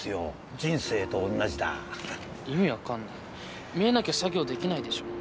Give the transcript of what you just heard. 人生と同じだ意味分かんない見えなきゃ作業できないでしょ